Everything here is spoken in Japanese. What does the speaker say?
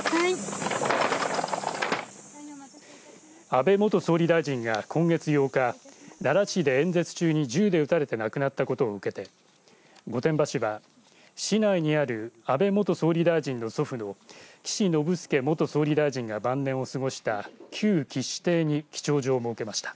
安倍元総理大臣が今月８日奈良市で演説中に銃で撃たれて亡くなったことを受けて御殿場市は市内にある安部元総理大臣の祖父の岸信介元総理大臣が晩年を過ごした旧岸邸に記帳所を設けました。